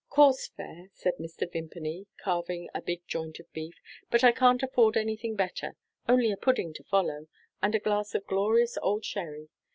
"Coarse fare," said Mr. Vimpany, carving a big joint of beef; "but I can't afford anything better. Only a pudding to follow, and a glass of glorious old sherry.